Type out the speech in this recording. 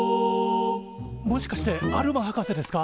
もしかしてアルマ博士ですか？